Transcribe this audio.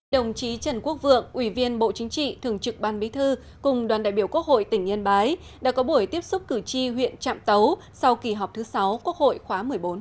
đồng chí trần quốc vượng ủy viên bộ chính trị thường trực ban bí thư cùng đoàn đại biểu quốc hội tỉnh yên bái đã có buổi tiếp xúc cử tri huyện trạm tấu sau kỳ họp thứ sáu quốc hội khóa một mươi bốn